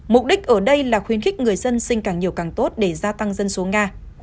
mục đích ở đây là khuyến khích người dân sinh càng nhiều càng tốt để gia tăng dân số nga